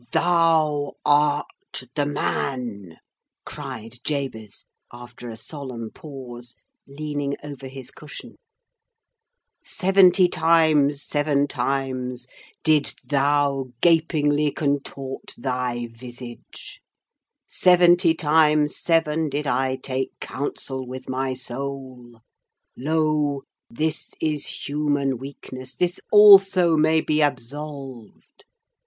"Thou art the Man!" cried Jabez, after a solemn pause, leaning over his cushion. "Seventy times seven times didst thou gapingly contort thy visage—seventy times seven did I take counsel with my soul—Lo, this is human weakness: this also may be absolved!